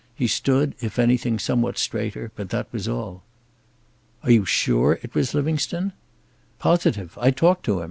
He stood, if anything, somewhat straighter, but that was all. "Are you sure it was Livingstone?" "Positive. I talked to him.